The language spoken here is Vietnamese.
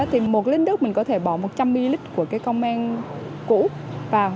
thì một lít nước mình có thể bỏ một trăm linh ml của cái con men cũ vào